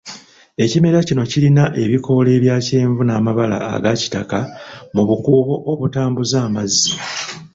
Ekimera kino kirina ebikoola ebya kyenvu n'amabala aga kitaka mu bukuubo obutambuza amazzi.